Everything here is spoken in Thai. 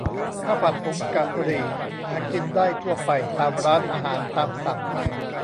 ข้าวผัดผงกะหรี่ หากินได้ทั่วไปตามร้านอาหารตามสั่ง